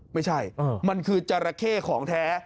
ไม่ใช่มันคือจราเข้ของแท้